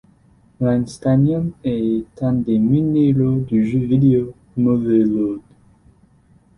L'einsteinium est un des minéraux du jeu vidéo Motherload.